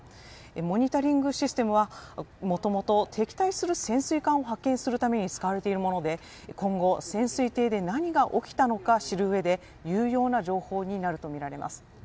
モニタリングシステムはもともと敵対する潜水艦を発見するために使われているもので今後、潜水艇で何が起きたのか知る上で有用な情報になるとみられます。